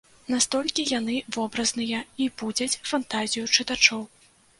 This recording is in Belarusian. Настолькі яны вобразныя і будзяць фантазію чытачоў.